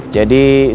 jadi dia bilang